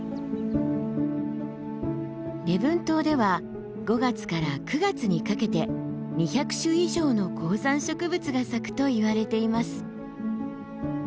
礼文島では５月から９月にかけて２００種以上の高山植物が咲くといわれています。